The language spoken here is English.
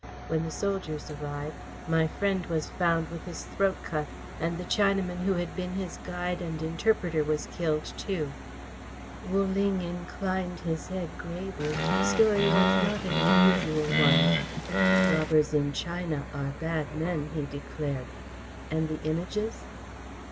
When the soldiers arrived, my friend was found with his throat cut, and the Chinaman who had been his guide and interpreter was killed too." Wu Ling inclined his head gravely. The story was not an unusual one. "Robbers in China are bad men," he declared. "And the Images?"